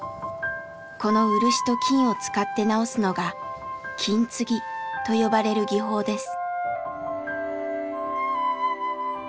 この漆と金を使って直すのが「金継ぎ」と呼ばれる技法です。